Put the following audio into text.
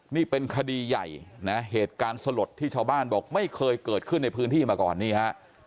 นี่เป็นคดีใหญ่นะเหตุการณ์สลดที่ชาวบ้านบอกไม่เคยเกิดขึ้นในพื้นที่มาก่อนนี่ฮะ